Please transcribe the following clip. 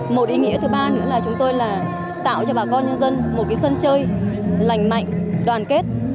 một ý nghĩa thứ ba nữa là chúng tôi là tạo cho bà con nhân dân một sân chơi lành mạnh đoàn kết